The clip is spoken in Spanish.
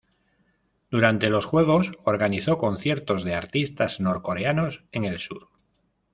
Durante los Juegos, organizó conciertos de artistas norcoreanos en el sur.